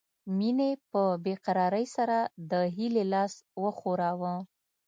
مينې په بې قرارۍ سره د هيلې لاس وښوراوه